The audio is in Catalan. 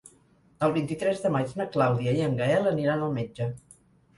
El vint-i-tres de maig na Clàudia i en Gaël aniran al metge.